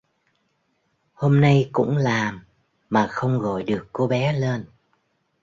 Hôm nay cũng làm mà không gọi được có bé lên